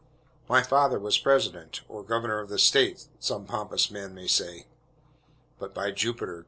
"My father was President, or Governor of the State," some pompous man may say. But, by Jupiter!